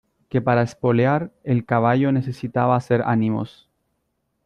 que para espolear el caballo necesitaba hacer ánimos.